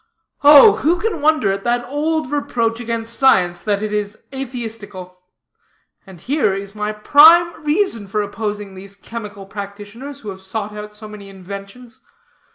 Oh, who can wonder at that old reproach against science, that it is atheistical? And here is my prime reason for opposing these chemical practitioners, who have sought out so many inventions.